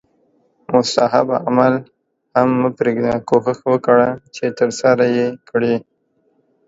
مستحب عمل هم مه پریږده کوښښ وکړه چې ترسره یې کړې